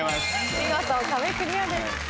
見事壁クリアです。